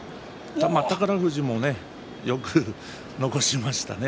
宝富士もよく残しましたね。